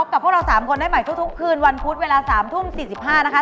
กับพวกเรา๓คนได้ใหม่ทุกคืนวันพุธเวลา๓ทุ่ม๔๕นะคะ